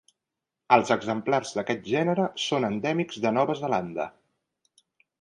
Els exemplars d'aquest gènere són endèmics de Nova Zelanda.